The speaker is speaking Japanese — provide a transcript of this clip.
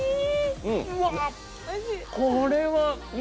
これは！